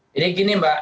jadi gini mbak